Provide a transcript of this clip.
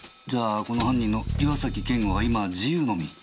じゃあこの犯人の岩崎健吾は今自由の身。